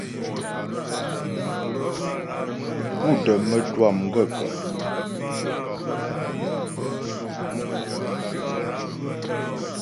Pú də mətwâ m gaə́kə̀ ?